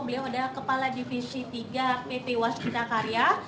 beliau adalah kepala divisi tiga pt waskitakarya